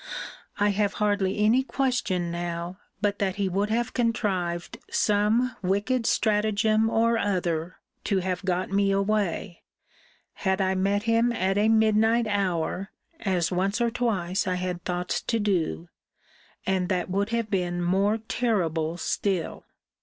I have hardly any question now, but that he would have contrived some wicked stratagem or other to have got me away, had I met him at a midnight hour, as once or twice I had thoughts to do; and that would have been more terrible still.